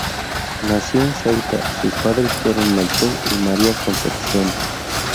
Nació en Ceuta, sus padres fueron Melchor y María Concepción.